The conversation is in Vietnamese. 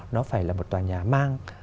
nó phải là một tòa nhà mang